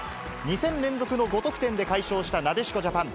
２戦連続の５得点で快勝したなでしこジャパン。